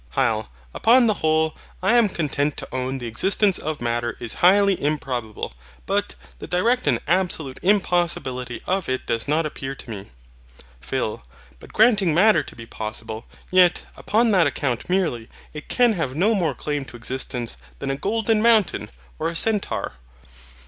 HYL. Upon the whole, I am content to own the existence of matter is highly improbable; but the direct and absolute impossibility of it does not appear to me. PHIL. But granting Matter to be possible, yet, upon that account merely, it can have no more claim to existence than a golden mountain, or a centaur.